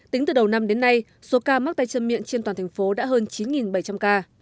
tính từ đầu năm đến nay số ca mắc tay chân miệng trên toàn thành phố đã hơn chín bảy trăm linh ca